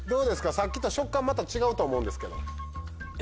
さっきと食感また違うと思うんですけど。